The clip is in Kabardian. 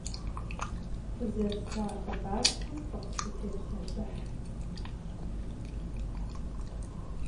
Fızeca xhıbarxem fıkhısxutêpselhıh.